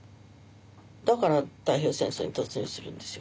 だから太平洋戦争に突入するんですよ。